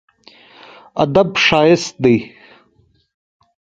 ادب ښايست دی.